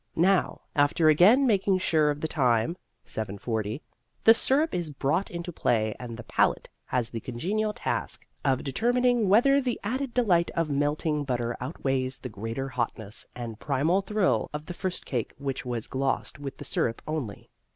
Now, after again making sure of the time (7:40) the syrup is brought into play and the palate has the congenial task of determining whether the added delight of melting butter outweighs the greater hotness and primal thrill of the first cake which was glossed with the syrup only.